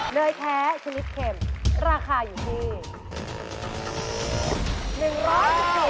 เนยแท้ชนิดเข็มราคาอยู่ที่